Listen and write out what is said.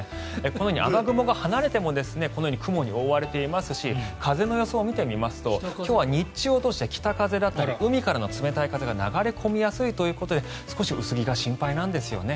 このように雨雲が離れてもこのように雲に覆われていますし風の予想を見てみますと今日は日中を通して北風だったり海からの風が流れ込みやすいということで少し薄着が心配なんですよね。